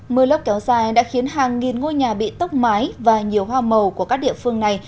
mưa lốc kéo dài đã khiến hàng nghìn ngôi nhà bị tốc mái và nhiều hoa màu của các địa phương này